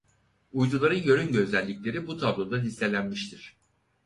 Uyduların yörünge özellikleri bu tabloda listelenmiştir.